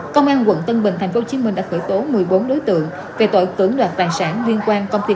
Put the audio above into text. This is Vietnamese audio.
công an quận tân bình tp hcm đã khởi tố một mươi bốn đối tượng về tội cưỡng đoạt tài sản liên quan công ty